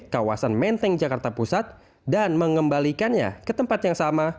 kawasan menteng jakarta pusat dan mengembalikannya ke tempat yang sama